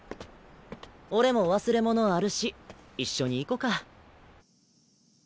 俺も忘れ物あるし一緒に行こか。